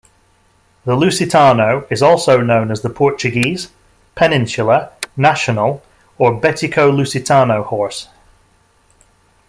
The Lusitano is also known as the Portuguese, Peninsular, National or Betico-lusitano horse.